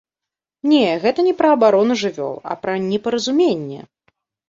Не, гэта не пра абарону жывёл, а пра непаразуменне.